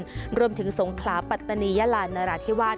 รวมถึงสงขลาปัตตานียาลานราธิวาส